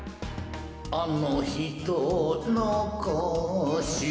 「あの女のこし」